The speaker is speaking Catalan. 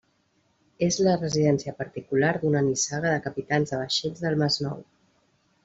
És la residència particular d’una nissaga de capitans de vaixells del Masnou.